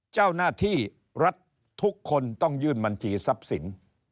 เจ้าหน้าที่รัฐทุกคนต้องยื่นบัญชีทรัพย์สิน